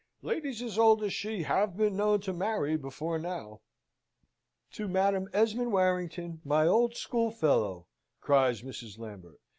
Ladies as old as she have been known to marry before now." "To Madam Esmond Warrington, my old schoolfellow!" cries Mrs. Lambert.